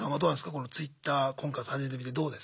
このＴｗｉｔｔｅｒ婚活始めてみてどうです？